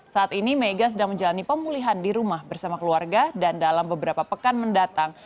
saat ini mega sedang menjalani pemulihan di rumah bersama keluarga dan dalam beberapa pekan mendatang